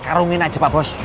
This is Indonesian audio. karungin aja pak bos